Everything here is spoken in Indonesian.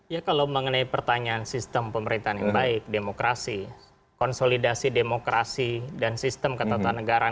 ya kalau mengenai pertanyaan sistem pemerintahan yang baik demokrasi konsolidasi demokrasi dan sistem ketatanegaraan